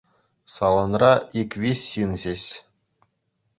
Салонра ик-виҫ ҫын ҫеҫ.